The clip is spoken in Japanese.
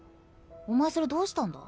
お前それどうしたんだ？